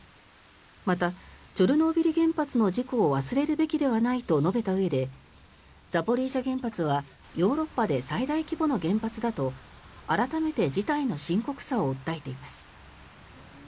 またチョルノービリ原発の事故を忘れるべきではないと述べたうえでザポリージャ原発はヨーロッパで最大規模の原発だと改めて事態の深刻さを訴えています。